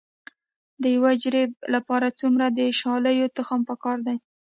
د یو جریب لپاره څومره د شالیو تخم پکار دی؟